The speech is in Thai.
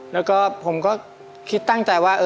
แล้วก็ผมก็คิดตั้งใจว่า